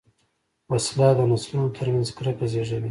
وسله د نسلونو تر منځ کرکه زېږوي